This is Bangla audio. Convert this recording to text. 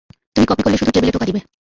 তুমি কপি করলে শুধু টেবিলে টোকা দিবে।